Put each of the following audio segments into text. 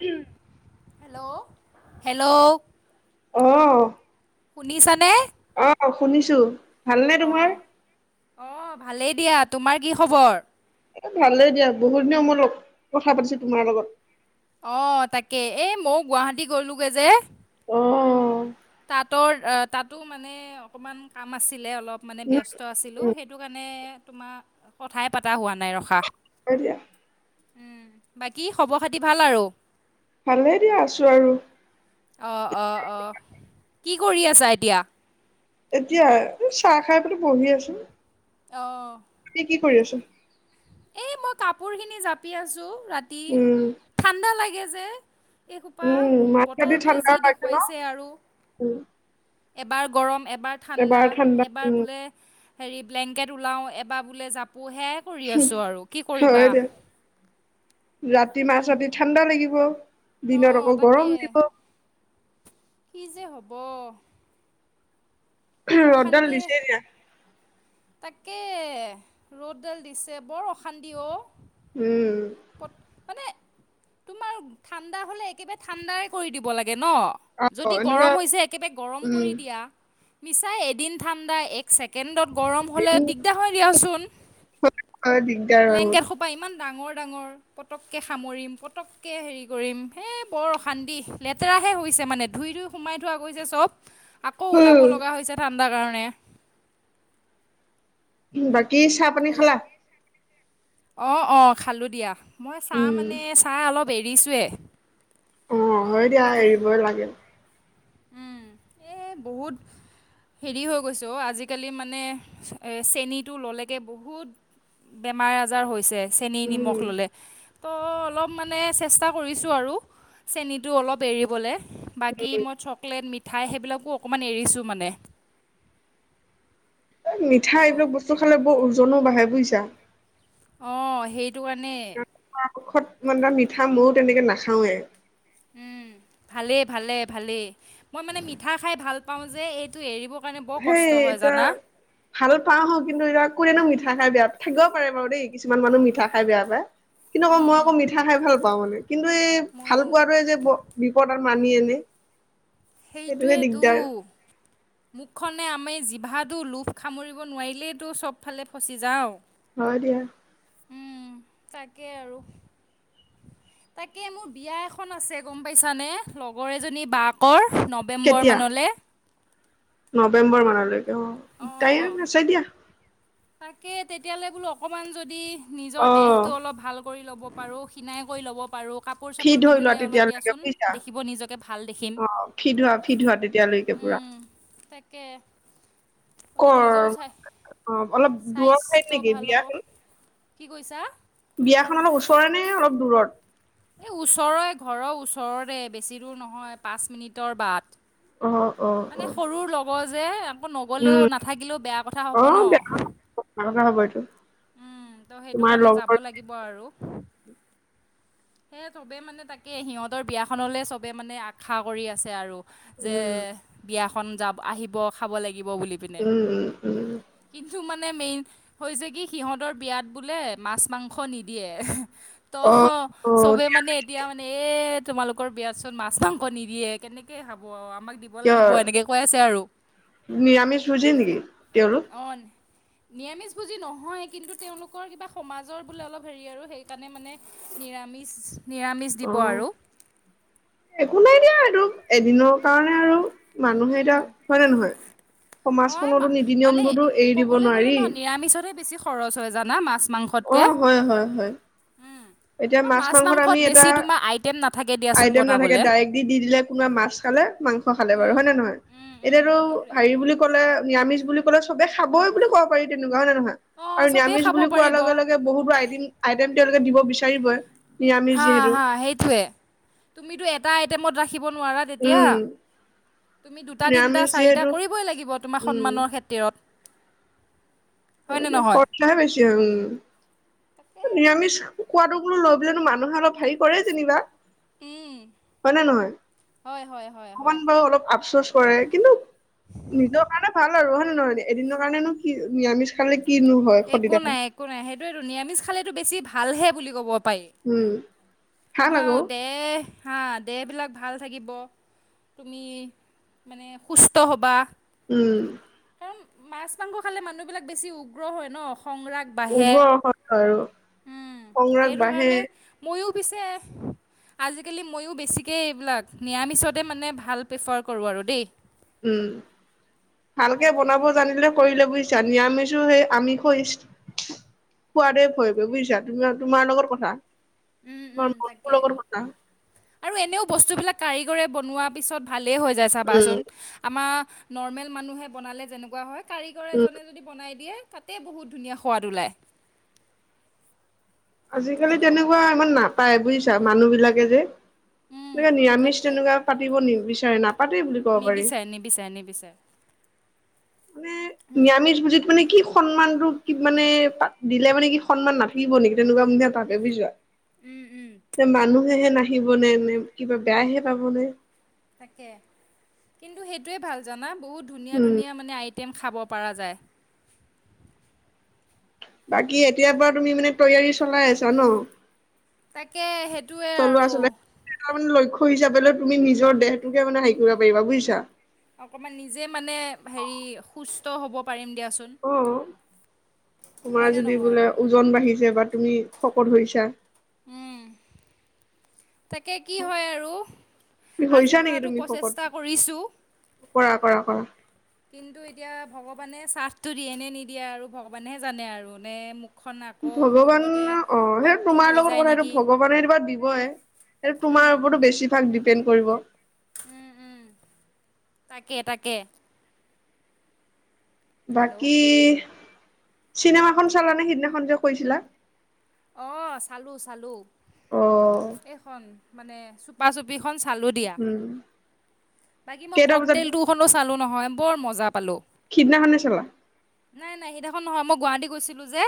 উম। Hello hello. আহ। শুনিছা নে? আহ শুনিছো। ভালনে তোমাৰ? আহ, আহ ভালেই দিয়া তোমাৰ কি খবৰ? এ ভালেই দিয়া বহুত দিনৰ মোৰত কথা পাতিছো তোমাৰ লগত। অ তাকে এই মইও গুৱাহাটী গলোগে যে অঁ। তাতৰ তাতো মানে অকমান কাম আছিল। অলপ মানে উম, ব্যস্ত আছিলোঁ, উম, সেইটো কাৰণে তোমাৰ কথাই পতা হোৱা নাই ৰখা। হয় দিয়া। উম বাকী খবৰ খাতি ভাল আৰু? ভালে দিয়া আছোঁ আৰু। অ অ অ কি কৰি আছা এতিয়া? এতিয়া চাহ খাই পেণে বহি আছো। আহ। তুমি কি কৰি আছা? মই কাপোৰ খিনি জাপি আছো ৰাতি উম, ঠাণ্ডা লাগে যে। এই খোপা উম, মাছ ৰাতি বতৰটোৱে ঠাণ্ডা যি লাগে ন দেখুৱাইছে আৰু উম, এবাৰ গৰম। এবাৰ ঠাণ্ডা এবাৰ বোলে হেৰি ব্লেংকেট ওলাওঁ এবাৰ বোলে জাপো সেয়াই কৰি। চো আৰু কি কৰিবা। হয় দিয়া ৰাতি মাজ ৰাতি ঠাণ্ডা লাগিব। দিনত অঁ আকৌ তাকে গৰম দিব। [unintelligible] ৰদ দাল অশান্তিয়ে দিছে এতিয়া। তাকে ৰ'দডাল দিছে বৰ অশান্তি অ'। উম। মানে তোমাৰ ঠাণ্ডা হলে একেবাৰে ঠাণ্ড কৰি দিব লাগে। ন, অ', যদি এনেকুৱা গৰম হৈছে একেবাৰে গৰম উম, কৰি দিয়া। মিছাই এদিন ঠাণ্ডা এক ছেকেণ্ডত। গৰম হ'লে দিগদাৰ হয় দিয়াচোন হয় দিগদাৰ হয় ব্লেংকেট খোপা। ডাঙৰ ডাঙৰ, পতককে সামৰিম পতককে হেৰি কৰিম বৰ অশান্তি লেতেৰা। হৈছে মানে, ধুই ধুই সোমাই থোৱা গৈছে চব। আকৌ ওলাব বহুত। লগা হৈছে ঠাণ্ডাৰ কাৰণে। বাকী চাহ পানী হেল্ল' খালা? অঁ অঁ খালোঁ দিয়া মই চাহ উম, মানে চাহ অলপ এৰিছোৱেই অ হয় দিয়া এৰিবই লাগে। উম এই বহুত হেৰি হৈ গৈছোঁ আজিকালি মানে চেনীটো ললেগে বহুত। বেমাৰ আজাৰ হৈছে চেনী উম, নিমখ ললে তো অলপ মানে চেষ্টা কৰিছোঁ আৰু চেনীটো অলপ এৰিবলৈ বাকী মই চব মিঠাই সেইবিলাকো অকণমান এৰিছোঁ মানে এই মিঠা হেল্ল' এইবিলাক বস্তু খালে বৰ ওজনো বাঢ়ে বুজিছা অঁ সেইটো কাৰণে ঔষধ মানে মিঠা ময়ো তেনেকে নাখাওৱে উম ভালেই ভালে ভালেই মই মানে মিঠা খাই ভাল পাওঁ যে এইটো এৰিব সেই এতিয়া ভাল পাও কিন্তু এয়া কোনো মিঠা খাই বেয়া পায় থাকিব পাৰে বাৰু দেই কিছুমান মানুহ মিঠা খাই বেয়া পায় কিন্তু আকৌ মই আকৌ মিঠা খাই ভাল পাওঁ মানে কিন্তু এই ভাল ময়ো পোৱাটোৱেই যে বিপদ আৰু মাতি আনে সেইটোহে সেইটোৱেইতো দিগদাৰ মুখখনে আমি জিভাটো লোভ সামুৰিব নোৱাৰিলেইতো চবফালে ফচি যাওঁ হয় দিয়া তাকে আৰু তাকে মোৰ বিয়া এখন আছে গম পাইছানে লগৰ এজনী বাকৰ নৱেম্বৰ কেতিয়া মানলে নৱেম্বৰ মানলৈকে অ অঁ টাইম অঁ আছে দিয়া তাকে তেতিয়ালে বোলো অকমান যদি নিজৰ অ'। দেহটো অলপ ভাল কৰি ল'ব পাৰোঁ খিনাই কৰি ল'ব পাৰোঁ কাপোৰ চাপোৰ ফিট ধৰি লোৱা পিন্ধিলে অলপ তেতিয়ালৈকে দিয়াচোন বুজিছা দেখিব নিজকে ভাল দেখিম অ ফিট হোৱা ফিট হোৱা তেতিয়ালৈকে কৰা তাকে অলপ কৰ নিজেও চাই অ অলপ দূৰ ঠাইত স্বাস্থ্য নেকি ভাল হ'ব বিয়াখন কি কৈছা বিয়াখন অলপ ওচৰে নে অলপ দূৰত এ ওচৰৰে ঘৰৰ ওচৰৰে বেছি দূৰ নহয় পাঁচ মিনিটৰ বাট অ অ অ মানে সৰুৰ লগৰ যে আকৌ নগলেও উম নাথাকিলেও বেয়া কথা হ'ব ন অ বেয়া কথা হব এইটো উম ত' সেইটো তোমাৰ কাৰণে যাব লগৰ লাগিব আৰু সেয়ে চবে মানে তাকে সিহঁতৰ বিয়াখনলে চবে মানে আশা কৰি আছে আৰু যে উম বিয়াখন যাব আহিব খাব লাগিব লাগিব বুলি পিনে উম উম উম কিন্তু মানে মেইন হৈছে কি সিহঁতৰ বিয়াত বোলে মাছ মাংস নিদিয়ে ত অ অ চবে মানে এতিয়া মানে এ তোমালোকৰ বিয়াত চোন মাছ মাংস নিদিয়ে কেনেকে খাব আৰু আমাক দিব কিয় লাগিব এনেকে কৈ আছে আৰু নিৰামিষ ভোজি নেকি তেওঁলোক অ নিৰামিষ ভূজি নহয় কিন্তু তেওঁলোকৰ কিবা সমাজৰ বোলে অলপ হেৰি আৰু সেইকাৰণে মানে নিৰামিষ নিৰামিষ অ দিব আৰু একো নাই দিয়া এইটো এদিনৰ কাৰণে আৰু মানুহে এতিয়া উম, হয় নে নহয় হয় সমাজখনতো নীতি মানে নিয়মটোতো এৰি দিব ক'বলৈ গলে নোৱাৰি নহ নিৰামিষতে বেছি খৰচ হয় জানা মাছ মাংস অ হয় হয় হয় এতিয়া কাৰণ মাছ মাংসত আমি এটা বেছি তোমাৰ আইটেম নাথাকে দিয়াচোন আইটেম নাথাকে বনাবলৈ ডাইৰেক্ট দি দি দিলে কোনবা মাছ খালে মাংস খালে বাৰু উম, হয় নে নহয় উম, উম, এতিয়াটো সেইটোৱে। হেৰি বুলি কলে নিৰামিষ বুলি কলে চবে খাবই বুলি কব পাৰি তেনেকুৱা হয় নে নহয় অ', আৰু চবেই নিৰামিষ খাব বুলি কোৱাৰ পাৰিব। লগে লগে বহুতো আইদিম আইটেম তেওঁলোকে দিব বিচাৰিবই নিৰামিষ হা যিহেতু হা সেইটোয়ে তুমিটো এটা আইটেমত নোৱাৰা তেতিয়া। উম তুমি দুটা তিনিটা নিৰামিষ চাৰিটা যিহেতু কৰিবই লাগিব তোমাৰ উম। সন্মানৰ খাতিৰত নহয়? খৰচাহে বেছি হয় মো নিৰামিষ খোৱাদো লৈ পেলেনো মানুহে অলপ হেৰি কৰে যেনিবা উম, হয় নে নহয় হয়, হয়, হয়, অকমান হয়। বাৰু অলপ আপচোচ কৰে কিন্তু নিজৰ কাৰণে ভাল আৰু হয় নে নহয় এদিনৰ কাৰণেনো কি নিৰামিষ খালে কিনো হয় একো সদিনা নাই একো নাই সেইটোয়েটো নিৰামিষ খালেতো বেছি ভালহে বুলি ক'ব পাৰি উম ভাল তোমাৰ আকৌ দেহ দেহ বিলাক ভাল থাকিব তুমি মানে সুস্থ হ'বা উম কাৰণ মাছ মাংস খালে মানুহ বিলাক বেছি উগ্ৰ হয় ন খং ৰাগ বাঢ়ে উৰ্বৰ অসত্য আৰু উম সংৰাগ সেইটো বাঢ়ে কাৰণে ময়ো পিছে আজিকালি মইও বেছিকে এইবিলাক নিৰামিছতে মানে ভাল প্ৰিফাৰ কৰোঁ আৰু দেই উম ভালকে তাকে। বনাব জানিলে কৰিলে বুজি আমিজো হে আমি কৈছ খোৱাদেই ভয়ব বুজিছা তুমি তোমাৰ লগত কথা উম, ম উম, ম তাকে। লগৰ কা [unintelligible] আৰু এনেও বস্তুবিলাক কাৰিকৰেী বনোৱাৰ পিছত ভালেই হৈ যায় চাবাচোন উম আমাৰ নৰ্মেল মানুহে বনালে যেনেকুৱা হয় কাৰিকৰ উম এজনে যদি বনাই দিয়ে তাতে বহুত ধুনীয়া সোৱাদ ওলায় আজিকালি হেল্ল' তেনেকুৱা ইমান নাপায় বুজিছা মানুহ বিলাকে যে উম, তে নিৰামিষ তাকে তেনেকুৱা পাতিব নিবিচাৰে ন পাতে বুলি কব পাৰি নিবিচাৰে, নিবিচাৰে, নিবিচাৰে। মানে নিয়ামিজ বুলি। মানে কি সন্মানটোক কি মানে প দিলে মানে কি সন্মান নাথাকিব নেকি তেনেকুৱা বুলি ভাবে বুজিছ। মানুহেহে নাহিবনে নে কিবা বেয়াহে পাব নে। তাকে কিন্তু সেইটোয়ে ভাল জানা বহুত ধুনীয়া উম ধুনীয়া মানে আই টেম খাব পাৰা যায়। বাকী এতিয়াৰ পৰা তুমি মানে তৈয়াৰী চলাই আছা ন তাকে সেইটোৱে চলো আৰু আছিলেটামান লৈ হিচাপে তুমি নিজৰ দেহটোকোনে হেৰি কৰিব পাৰিবা বুজিছা। অকমান নিজে মানে হেৰি সুস্থ হ'ব পাৰিম দিয়াচোন অ তোমাৰ হয়নে যদি নহয় বোলে ওজন বাঢ়িছে বা তুমি শকত হৈছা উম তাকে কি হয় আৰু আজিৰ হৈছা নেকি পৰাতো তুমি শকত প্ৰচেষ্টা কৰিছোঁ কৰা কৰা কৰা কিন্তু এতিয়া ভগৱানে চ্বফটো দিয়ে নে নিদিয়ে আৰু ভগৱানেহে জানে আৰু নে মোক ভগৱান অ সেই পাপটো তোমাৰ হৈ লগত যায় কথাটো নেকি ভগৱানে কিবা দিবই সেইটো তোমাৰ ওপৰতো বেছিভাগ ডিপেণ্ড কৰিব উম উম তাকে তাকে হেল্ল' বাকী চিনেমাখন চালা নে সিদিনাখন যে কৈছিলা অ চালো চালো অ এইখন মানে চুপা চুপি চালো দিয়া, উম বাকী মই কেইটা বজাত ককটেল টো খনো চালো নহয় বৰমজা সিদিনাখনে চালা নাই নাই সেইদিনাখন নহয় মই গুৱাহাটী গৈছিলো যে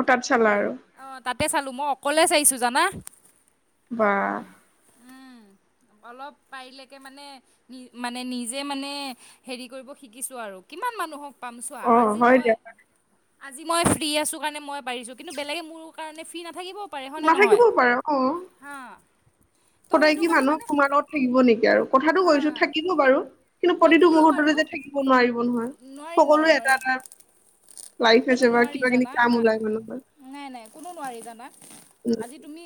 অঁ তাত চালা আৰু অ তাতে চালো মই অকলে চাইছো জানা বা উম অলপ পাৰিলকে মানে নি মানে নিজে মানে হেৰি কৰিব শিকিছো আৰু কি! কি মানুহক পাম চোৱা অ আজি হয় মই দিয়া আজি মই ফ্ৰী আছো কাৰণে মই পাৰিছো কিন্তু বেলেগ ম কাৰণ ফ্ৰী নাথাকিবওঁ পাৰে হয় ন নহয় নাথাকিবও পাৰে অ ত' সদায় সেইটো কি কাৰণে মানুহক মানে তোমাৰ লগত থাকিব নেকি আৰু কথাটো হা কৈছো থাকিব বাৰু কিন্তু প্ৰতিটো থাকিলেও বাৰু মুহূৰ্ততে। থাকিব নোৱাৰিব নহয় নোৱাৰি নোৱাৰি সকলো এটা নোৱাৰি এটা। লাইফ সেইটো আছে বা নোৱাৰি কিবা কিনি জানা কাম না ওলাই মানুহহৰ--' নাই নাই কোনো নোৱাৰি জানা আজি তুমি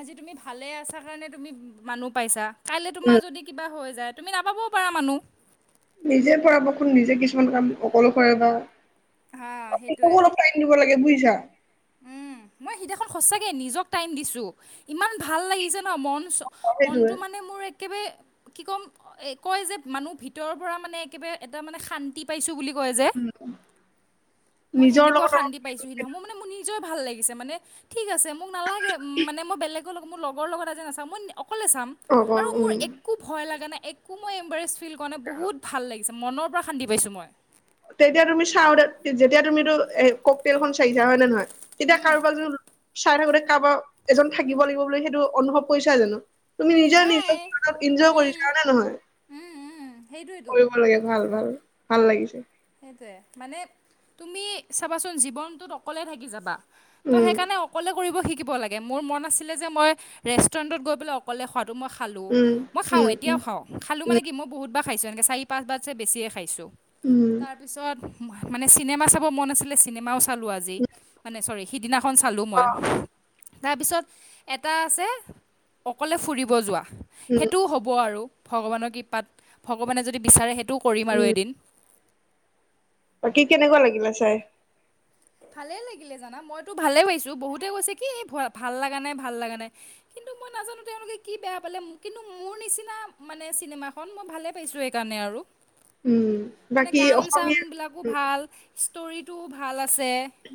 আজি তুমি ভালে আছা কাৰণে তুমি মানুহ পাইছা কাইলৈ উম তোমাৰ যদি কিবা হৈ য তুমি নাপাবও পাৰা মানুহ। নিজে কৰাব খু নিজে কিছুমান কাম অকো কৰে বা হা সেইটোৱে অপাই দিব লাগে বুজিছা। উ মই সিদিনাখন সচাকে নিজক টাইম দিছো ইমান ভাল লাগি যে ন মন সেইটোৱে মনটো মানে মোৰ একেবাৰে কি ক'ম এ কয় যে মানুহ ভিতৰৰ পৰা মানে একেবাৰে এটা মানে শান্তি পাইছো বুলি ক উম, মই নিজৰ সেনেকুৱা লগত অলপ শান্তি পাইছো সি মানে মোৰ নিজ ভাল লাগে। ম মই বোৰ লগৰ লগত অকলে চাম অ অ আৰু মোৰ উম একো ভয় লাগা নাই একো মই এম্বাৰেজ ফিল কৰা নাই বহুত ভাল লাগে। মনৰ পৰা শান্তি পাইছো মই তেতিয়া তুমি চাওঁ দে যেতিয়া তুমিটো কক তেল খন চাইছা হয় নে নহয় তেতিয়া কাৰোবাৰ য চাই থাকোতে কাৰোবাৰ এজন থাকিব লাগিব বুলি সেইটো অনুভৱ কৰিছা জানো? তুমি নিজৰ নাই নিজক অপ ইনজয় কৰিছা হয় নে নহয়। সেইটোৱেতো কৰিব লাগে ভাল ভাল ভাল লাগিছে। সেইটোয়ে মানে তুমি চাবাচোন জীৱনটোত অকলে থাকি যাবা। ত' উম সেইকাৰণে অকলে কৰিব শিকিব লাগে মোৰ মন আছিলে যে মই ৰেষ্টুৰেণ্টত গৈ পেলাই অকলে স। মই খালোঁ। উম মই খাওঁ উম উম এতিয়াওঁ খাওঁ। খালোঁ উম মানে কি মই বহুত কা খাইছো এনেকে চাৰি পাঁচ বাতছে বেছিয়ে খাইছো উম তাৰপিছত মানে চিনেমা চাব মন আছিলে চিনেমাওঁ চালোঁ আজি উম মানে চৰি সিদিনা খন চালোঁ অ মই তাৰপিছত এটা আছে অকলে ফুৰিব যোৱা উম সেইটোও হ'ব আৰু ভগৱানৰ কৃ পাত ভগৱানে যদি বিচাৰে সেইটো কৰিম আৰু উম এদিন বাকী কেনেকুৱা লাগিলে চাই ভালে লাগিলে জানা মইতো ভালে পাইছো বহুতে কৈছে কি ভাল লগা নাই ভাল লগা নাই কিন্তু মই নাজানো তেওঁলোকে কি বেয়া পালে কিন্তু মোৰ নিচিনা মানে চিনেমাখন মই ভালে পাইছো সেই কাৰণে আৰু উম, মানে বাকী গান চান অসমীয়া বিলাকো ভাল। ষ্টৰী টো ভাল আছে।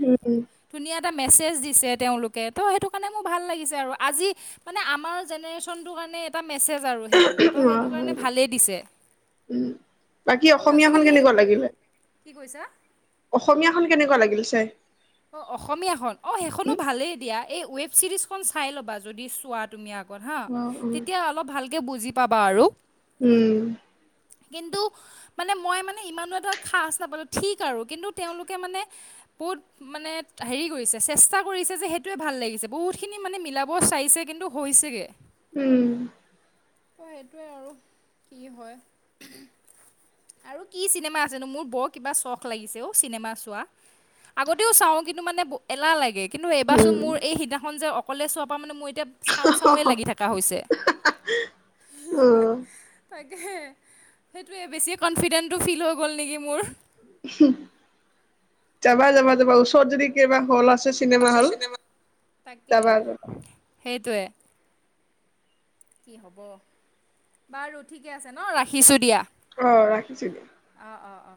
উম, উম, ধুনীয়া এটা মেছেজ দিছে তেওঁলোকে ত' সেইটো কাৰণে মোৰ ভাল লাগিছে আৰু আজি মানে আমাৰ জেনেৰেশ্যনটোৰ কাৰণে এটা মেছেজ আৰু সেইটো ত অ, সেইটো কাৰণে হয় দে। ভালেই দিছে উম বাকী কাৰণ অসমীয়াখন আজিকালি কেনেকুৱা লাগিলে কি কৈছা! অসমীয়াখন কেনেকুৱা লাগিল চাই? অঁ অসমীয়া খন অঁ সেইখনো উম, ভালেই এ দিয়া। এই ৱেব ছিৰিজখন চাই ল'বা যদি চোৱা তুমি আগত হা অ', অ', তেতিয়া অলপ ভালকৈ বুজি পাবা আৰু। উম। কিন্তু মানে মই মানে ইমানো এটা খাজ নাপালোঁ ঠিক আৰু কিন্তু তেওঁলোকে মানে বহুত। মানে হেৰি কৰিছে চেষ্টা কৰিছে যে সেইটোৱে ভাল লাগিছে বহুত খিনি মানে মিলাব চাইছে কিন্তু। আছেগে। উম। ত সেইটোৱে আৰু কি হয়। আৰু কি চিনেমা আছেনো? মোৰ বৰ কিবা চখ লাগিছে অ' চিনেমা চোৱা। আগতেও চাওঁ কিন্তু মানে এলাহ লাগে। কিন্তু এইবাৰচোন উম, মোৰ এই সিদিনাখন যে অকলে চোৱাৰ পৰা মানে মোৰ এতিয়া চাওঁ চাওঁৱেই অ', লাগি থকা হৈছে। অ। সেইটোৱে বেছি কনফিডেণ্টটো ফিল হৈ গ'ল নেকি মোৰ। যাবা যাবা যাবা ওচৰত যদি কেইবা হ'ল আছে। চিনেমা হল চ তাকে যাবা যাবা সেইটোৱে। কি হব বাৰু ঠিকে আছে ন ৰাখিছো দিয়া। আহ ৰাখিছো দ অ' অ' অ'।